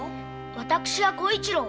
私は小一郎。